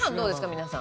皆さん。